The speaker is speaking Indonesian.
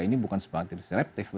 ini bukan sebuah disruptive